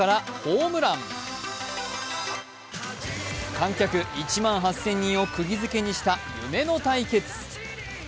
観客１万８０００人をくぎづけにした夢の対決。